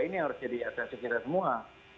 ini yang harus jadi atas kita semua